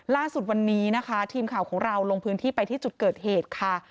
ล่าสุดวันนี้นะคะทีมข่าวของเราลงพื้นที่ไปที่จุดเกิดเหตุค่ะ